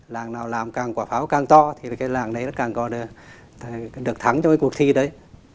làng nào làm càng quả pháo càng to thì cái làng đấy nó càng có được thắng cho cái cuộc thi đấy